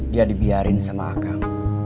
dia dibiarin sama akam